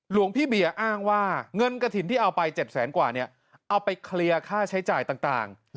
หลวงพี่เบียร์อ้างว่าเงินกระถิ่นที่เอาไป๗แสนกว่าเนี่ยเอาไปเคลียร์ค่าใช้จ่ายต่าง